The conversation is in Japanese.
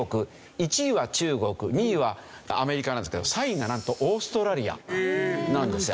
１位は中国２位はアメリカなんですけど３位がなんとオーストラリアなんですよ。